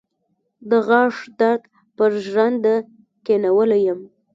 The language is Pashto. د غاښ درد پر ژرنده کېنولی يم.